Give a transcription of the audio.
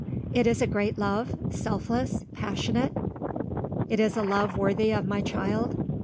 "It is a great love? selfless? passionate? It is a love worthy of my child?"